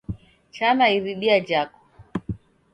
Chana iridia jhako